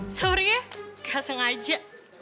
sorry ya gak sengaja